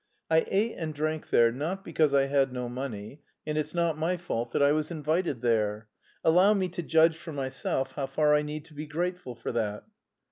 "I ate and drank there not because I had no money, and it's not my fault that I was invited there. Allow me to judge for myself how far I need to be grateful for that."